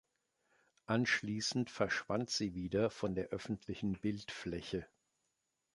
Anschließend verschwand sie wieder von der öffentlichen Bildfläche.